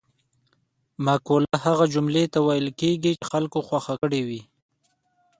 مقوله هغه جملې ته ویل کېږي چې خلکو خوښه کړې وي